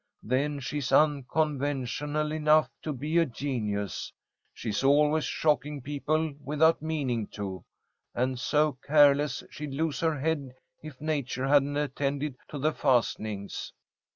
Then she's unconventional enough to be a genius. She's always shocking people without meaning to, and so careless, she'd lose her head if nature hadn't attended to the fastenings.